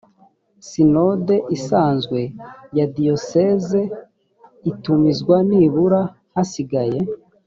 sinode isanzwe ya diyoseze itumizwa nibura hasigaye